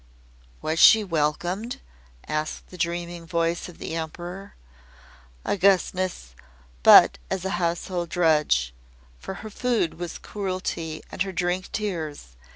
"Was she welcomed?" asked the dreaming voice of the Emperor. "Augustness, but as a household drudge. For her food was cruelty and her drink tears.